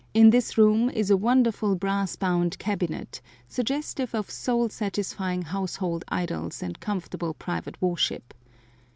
In this room is a wonderful brass bound cabinet, suggestive of soul satisfying household idols and comfortable private worship.